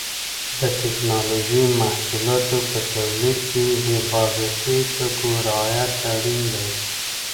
د ټېکنالوجۍ محصولاتو په تولید کې د حفاظتي ټکو رعایت اړین دی.